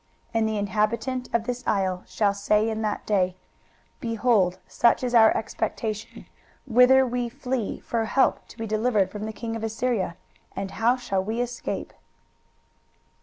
23:020:006 And the inhabitant of this isle shall say in that day, Behold, such is our expectation, whither we flee for help to be delivered from the king of Assyria: and how shall we escape?